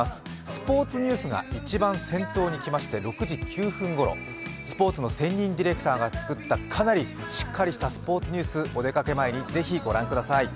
スポーツニュースが一番先頭に来まして、６時９分ころ、スポーツの専任ディレクターが作ったかなりしっかりしたスポーツニュースお出かけ前にぜひご覧ください。